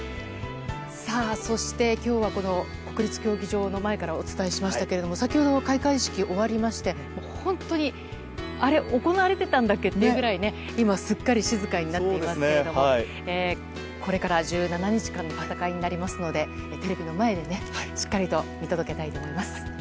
そして、今日は国立競技場の前からお伝えしましたけれども先ほど、開会式が終わりまして、本当に行われてたっけ？っていうくらい今、すっかり静かになっていますけどもこれから１７日間の戦いになりますのでテレビの前でしっかり見届けたいと思います。